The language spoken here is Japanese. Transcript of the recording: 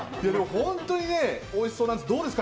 本当においしそうなんですがどうですか？